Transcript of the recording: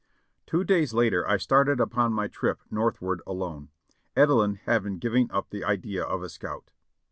Two days later I started upon my trip northward alone, Edelin having given up the idea of a scout.